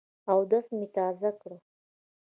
اودس مي تازه کړ .